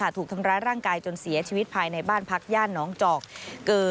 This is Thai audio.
ถูกทำร้ายร่างกายจนเสียชีวิตภายในบ้านพักย่านน้องจอก